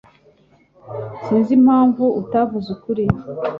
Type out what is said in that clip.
Sinzi impamvu utavuze ukuri